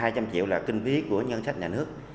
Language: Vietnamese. hai trăm linh triệu là kinh viết của ngân sách nhà nước